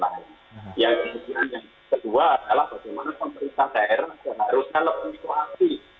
yang kemudian yang kedua adalah bagaimana pemerintah daerah harus mengekonsumsi